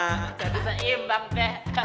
satu seimbang deh